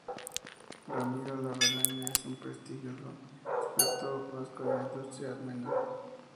Ramiro Larrañaga es un prestigioso experto vasco en la industria armera.